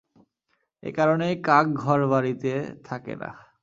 এ কারণেই কাক ঘড়-বাড়িতে থাকে না।